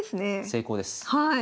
成功です。